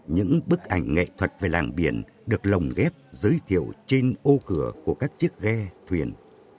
những bức ảnh nghệ thuật về làng biển được lồng ghép giới thiệu trên ô cửa của các chiếc ghe thuyền